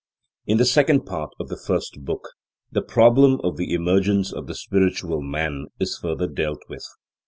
In the second part of the first book, the problem of the emergence of the spiritual man is further dealt with.